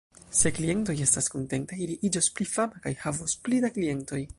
Se klientoj estas kontentaj, ri iĝos pli fama kaj havos pli da klientoj.